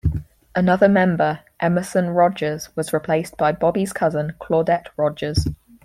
Another member, Emerson Rogers, was replaced by Bobby's cousin Claudette Rogers.